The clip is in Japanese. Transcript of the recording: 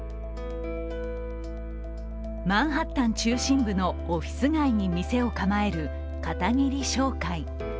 マンハッタン中心部のオフィス街に店を構える片桐商会。